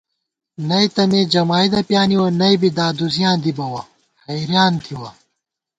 نئ تہ مے جمائید پیانِوَہ ، نئ بی دادُوزِیاں دی بَوَہ ، حېریان تھِوَہ